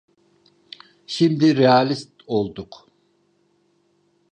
Şimdi realist olduk…